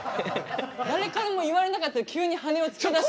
誰からも言われなかったけど急に羽をつけだしました。